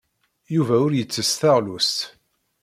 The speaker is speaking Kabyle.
Yuba ur yettess taɣlust.